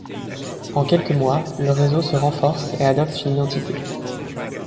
En quelques mois, le réseau se renforce et adopte une identité.